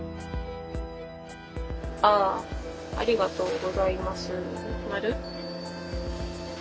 あありがとうございますマル。